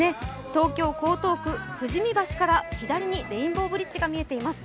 東京・江東区富士見橋から左にレインボーブリッジが見えています。